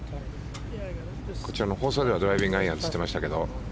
こちらの放送ではドライビングアイアンと言っていましたが。